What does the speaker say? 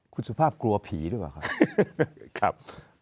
คุณสุภาพกลัวผีด้วยบ้าง